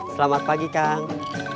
selamat pagi kang